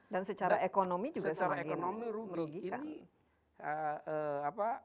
dan secara ekonomi juga semakin